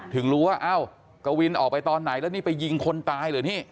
ถึงรู้ว่าเอ้ากวินออกไปตอนไหนแล้วนี่ไปยิงคนตายเหรอนี่